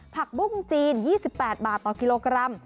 ผักบุ้งจีน๒๘บาทต่อกิโลกรัม